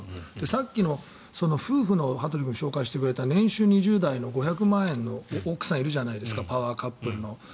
さっきの夫婦の年収、２０代の５００万円の奥さんいるじゃないですかパワーカップルの。